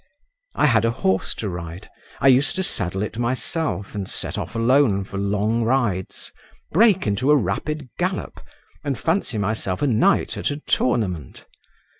I had a horse to ride; I used to saddle it myself and set off alone for long rides, break into a rapid gallop and fancy myself a knight at a tournament.